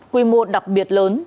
quy mô đặc biệt lớn